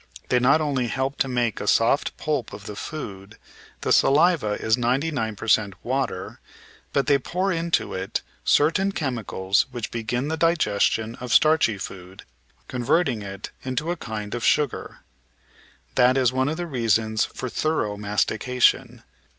They not only help to make a soft pulp of the food — the saliva is 99 per cent water — ^but they pour into it certain chemicals which begin the digestion of starchy food, converting it into a kind of sugar. That is one of t!ie reasons for thorough "mastication."